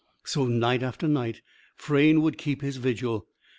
So, night after night, Frayne would keep his vigil.